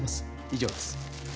以上です。